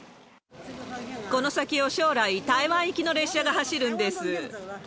この先を将来、台湾行きの列車が走るんです。